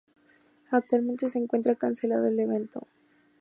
Actualmente se encuentra cancelado el evento.